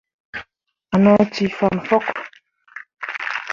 A no cii fana fok.